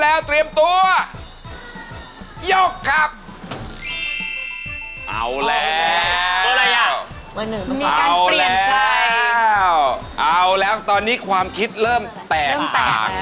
เอาแล้วตอนนี้ความคิดเริ่มแตก